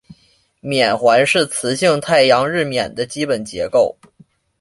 冕环是磁性太阳日冕的基本结构。